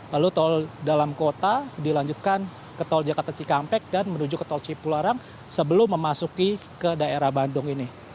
lalu tol dalam kota dilanjutkan ke tol jakarta cikampek dan menuju ke tol cipularang sebelum memasuki ke daerah bandung ini